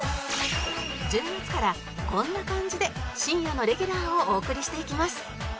１０月からこんな感じで深夜のレギュラーをお送りしていきます